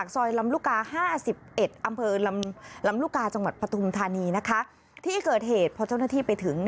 สุนทรรณีนะคะที่เกิดเหตุพอเจ้าหน้าที่ไปถึง